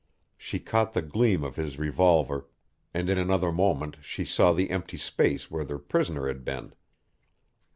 She caught the gleam of his revolver, and in another moment she saw the empty space where their prisoner had been.